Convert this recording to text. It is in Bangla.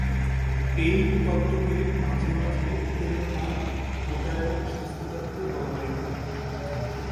এই তত্ত্বকে মাঝে মাঝে "প্রেরণা প্রদায়ক-স্বাস্থ্য তত্ত্ব" বলা হয়ে থাকে।